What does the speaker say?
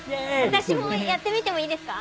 私もやってみてもいいですか？